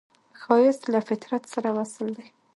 ښایست له فطرت سره وصل دی